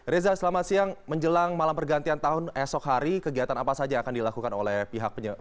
reza selamat siang menjelang malam pergantian tahun esok hari kegiatan apa saja yang akan dilakukan oleh pihak penyelenggara